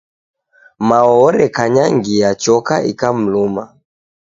Mao orekanyangia choka ikamluma.